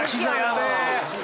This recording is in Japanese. べえ。